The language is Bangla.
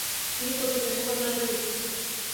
তিনি পত্রিকা সম্পাদনায় জড়িত ছিলেন।